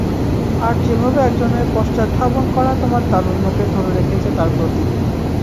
আর যেভাবে একজনের পশ্চাদ্ধাবন করা তোমার তারুণ্যকে ধরে রেখেছে তার প্রতি!